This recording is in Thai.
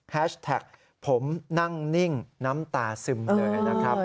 แท็กผมนั่งนิ่งน้ำตาซึมเลยนะครับ